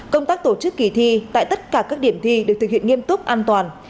công tác tổ chức kỳ thi tại tất cả các điểm thi được thực hiện nghiêm túc an toàn